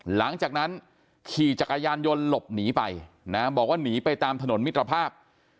หลังจากนั้นขี่จักรยานยนต์หลบหนีไปนะบอกว่าหนีไปตามถนนมิตรภาพ